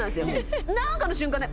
何かの瞬間ね